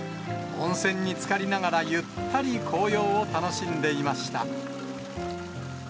温泉につかりながら、ゆったり紅葉を楽しんでいました。